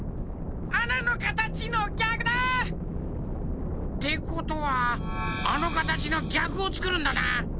あなのかたちのぎゃくだ！ってことはあのかたちのぎゃくをつくるんだな。